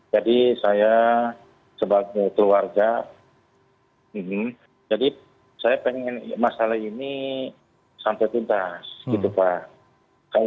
jadi saya sebagai keluarga jadi saya pengen masalah ini sampai tuntas gitu pak